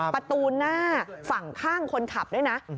ประตูหน้าฝั่งข้างคนขับด้วยนะ